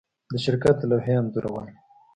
د شرکت د لوحې انځورول